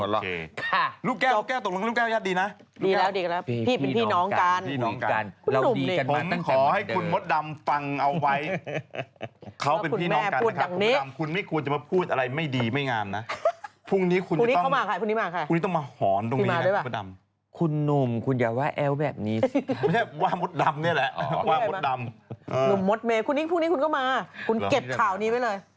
กลัวไหวมั๊ะลุมมดเมย์คุณอิ๊ยพรุ่งนี้ถึงจะมาคุณเก็บข่าวนี้ไว้เลย